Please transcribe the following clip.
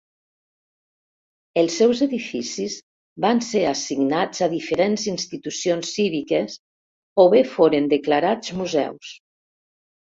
Els seus edificis van ser assignats a diferents institucions cíviques o bé foren declarats museus.